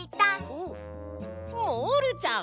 おっモールちゃん！